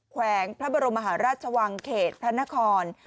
แขวงพระบรมมหาราชวังเขตพระนคร